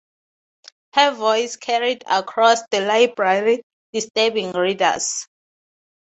Her voice carried across the library disturbing readers.